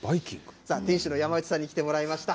店主の山内さんに来てもらいました。